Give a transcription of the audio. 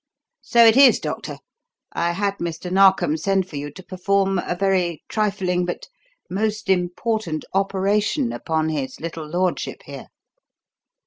"So it is, doctor. I had Mr. Narkom send for you to perform a very trifling but most important operation upon his little lordship here."